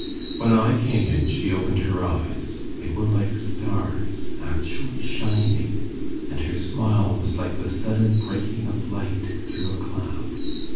When I came in she opened her eyes. They were like stars, actually shining, and her smile was like the sudden breaking of light through a cloud.